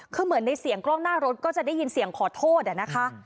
คือเหมือนในเสียงกล้องหน้ารถก็จะได้ยินเสียงขอโทษนะคะ